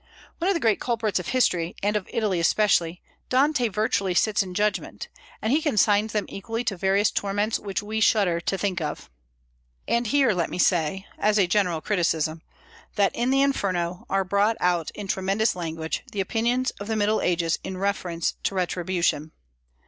On the great culprits of history, and of Italy especially, Dante virtually sits in judgment; and he consigns them equally to various torments which we shudder to think of. And here let me say, as a general criticism, that in the Inferno are brought out in tremendous language the opinions of the Middle Ages in reference to retribution.